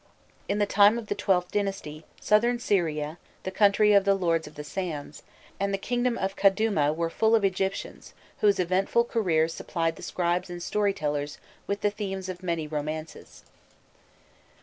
In the time of the XIIth dynasty, Southern Syria, the country of the "Lords of the Sands," and the kingdom of Kadûma were full of Egyptians whose eventful careers supplied the scribes and storytellers with the themes of many romances.